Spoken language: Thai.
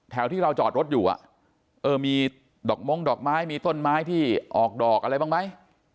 แถวที่เราจอดรถอยู่มีดอกม้งดอกไม้มีต้นไม้ที่ออกดอกอะไรบ้างไหม